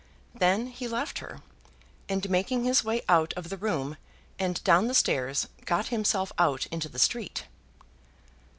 Then he left her, and making his way out of the room, and down the stairs, got himself out into the street.